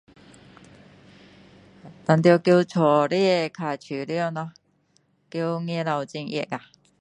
当然然在屋里较舒服咯在外面很热啊